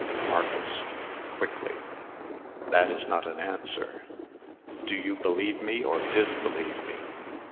MARCUS (quickly). "That is not an answer. Do you believe me, or disbelieve me?